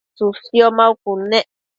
tsësio maucud nec